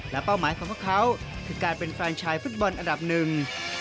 และเป้าหมายของพวกเขาคือการเป็นแฟนชายฟุตบอลอันดับหนึ่ง